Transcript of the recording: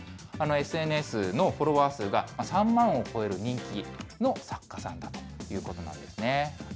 ＳＮＳのフォロワー数３万を超える人気の作家さんだということなんですね。